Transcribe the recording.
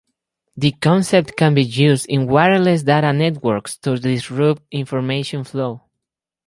The concept can be used in wireless data networks to disrupt information flow.